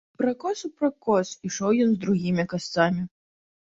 Пракос у пракос ішоў ён з другімі касцамі.